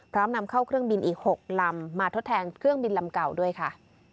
นำเข้าเครื่องบินอีก๖ลำมาทดแทนเครื่องบินลำเก่าด้วยค่ะ